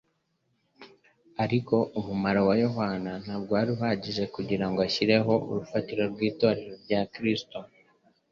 Ariko umurimo wa Yohana ntabwo wari uhagije ngo ushyireho urufatiro rw’itorero rya Kristo